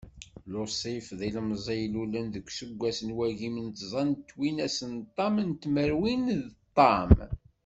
Lusif d ilemẓi i ilulen deg useggas n wagim d tẓa n twinas d ṭam n tmerwin d ṭam.